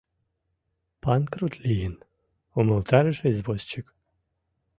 — Панкрут лийын, — умылтарыш извозчик.